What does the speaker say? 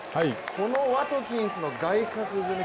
このワトキンスの外角攻め